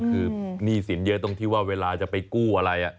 คือหนี้สินเยอะตรงที่ว่าเวลาจะไปกู้อะไร